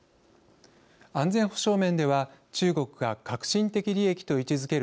安全保障面では中国が核心的利益と位置づける